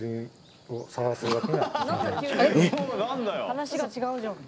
話が違うじゃん。